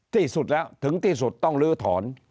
ที่สุดแล้วถึงที่สุดต้องลื้อถอน